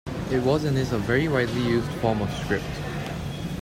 It was and is a very widely used form of script.